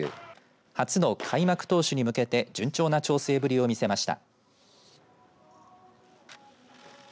初の開幕投手に向けて順調な調整ぶりを見せました。